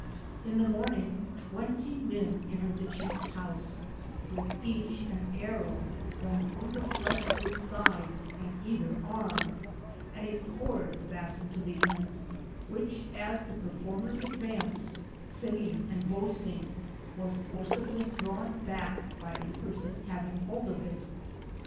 In the morning twenty men entered the chief's house, with each an arrow run through the flesh of his sides, and either arm, with a cord fastened to the end, which as the per formers advanced, singing and boasting, was for cibly drawn back by a person having hold of it.